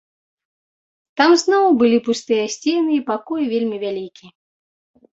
Там зноў былі пустыя сцены і пакой вельмі вялікі.